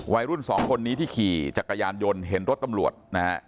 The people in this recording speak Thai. วัยรุ่นสองคนนี้ที่ขี่จักรยานยนต์เห็นรถตำรวจนะฮะ